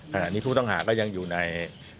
ขนาดนี้ทุกท่องหาก็ยังอยู่ใน